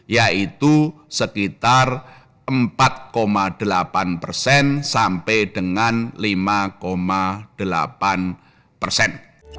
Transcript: yaitu sekitar empat delapan persen sampai dengan lima delapan persen